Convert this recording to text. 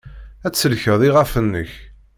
Ad tsellkeḍ iɣef-nnek.